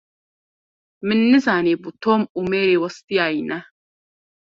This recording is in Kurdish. Min nizanîbû Tom û Mary westiyayî ne.